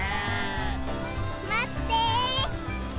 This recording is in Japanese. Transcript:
まって！